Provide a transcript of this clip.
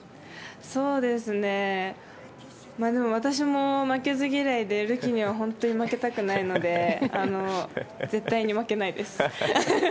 でも、私も負けず嫌いでるきには本当に負けたくないので絶対に負けないです。